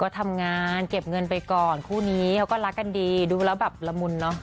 ก็ทำงานเก็บเงินไปก่อนคู่นี้เขาก็รักกันดีดูแล้วแบบละมุนเนอะ